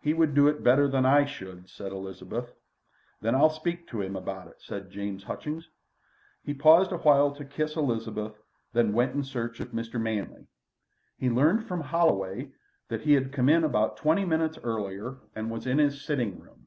"He would do it better than I should," said Elizabeth. "Then I'll speak to him about it," said James Hutchings. He paused a while to kiss Elizabeth, then went in search of Mr. Manley. He learned from Holloway that he had come in about twenty minutes earlier and was in his sitting room.